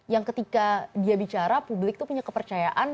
yang ketika dia bicara publik itu punya kepercayaan